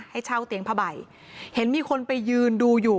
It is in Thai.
ให้เช่าเตียงผ้าใบเห็นมีคนไปยืนดูอยู่